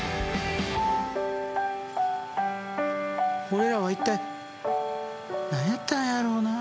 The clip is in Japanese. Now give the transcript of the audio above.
俺らは一体何やったんやろな。